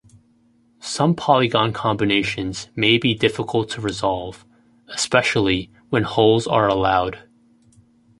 Some polygon combinations may be difficult to resolve, especially when holes are allowed.